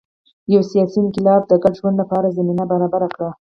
یو سیاسي انقلاب د ګډ ژوند لپاره زمینه برابره کړه